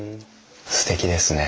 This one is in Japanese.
すてきですね。